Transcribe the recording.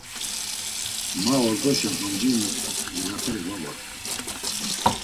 Ma ordoşa doncinus cegaperi var vort̆i.